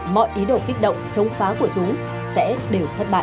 mọi ý đồ kích động chống phá của chúng sẽ đều thất bại